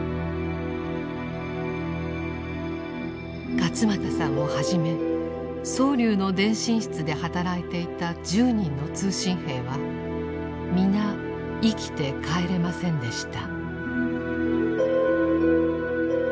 勝又さんをはじめ蒼龍の電信室で働いていた１０人の通信兵は皆生きて帰れませんでした。